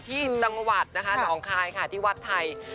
ที่ลำวัดท่องคลายค่ะที่วัดไทย